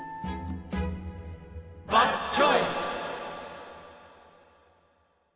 バッドチョイス！